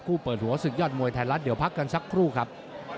เปิดหัวศึกยอดมวยไทยรัฐเดี๋ยวพักกันสักครู่ครับ